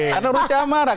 karena rusia marah